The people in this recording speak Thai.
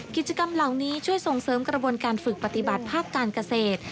กิจกรรมเหล่านี้ช่วยส่งเสริมกระบวนการฝึกปฏิบัติภาคการเกษตร